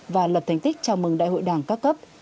và lập thành tích chào mừng đại hội đảng các cấp